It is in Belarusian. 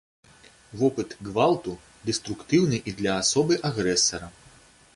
Вопыт гвалту дэструктыўны і для асобы агрэсара.